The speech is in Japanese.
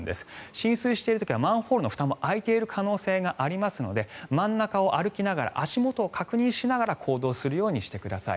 浸水している時はマンホールのふたも開いている可能性がありますので真ん中を歩きながら足元を確認しながら行動するようにしてください。